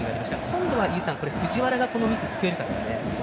今度は井口さん藤原がこのミス救えるかですね。